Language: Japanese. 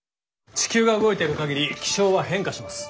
地球が動いてる限り気象は変化します。